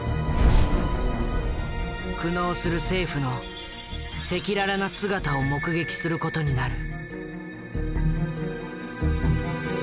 苦悩する政府の赤裸々な姿を目撃する事になる。